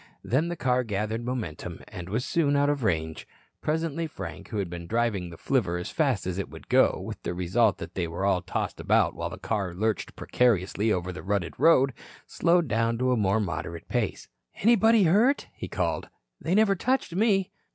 Then the car gathered momentum, and was soon out of range. Presently Frank, who had been driving the flivver as fast as it would go, with the result that they were all tossed about while the car lurched precariously over the rutted road, slowed down to a more moderate pace. "Anybody hurt?" he called. "They never touched me."